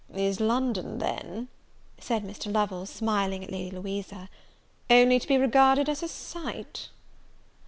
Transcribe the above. "Is London, then," said Mr. Lovel, smiling at Lady Louisa, "only to be regarded as a sight?"